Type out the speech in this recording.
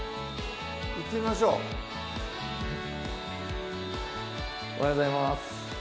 行ってみましょうおはようございます